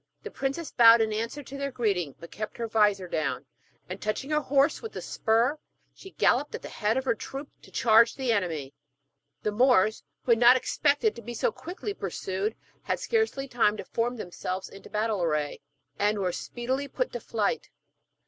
The princess bowed in answer to their greeting, but kept her vizor down; and touching her horse with the spur, she galloped at the head of her troops to charge the enemy. The Moors, who had not expected to be so quickly pursued, had scarcely time to form themselves into battle array, and were speedily put to flight.